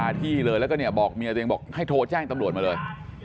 ที่เลยแล้วก็เนี่ยบอกเมียตัวเองบอกให้โทรแจ้งตำรวจมาเลย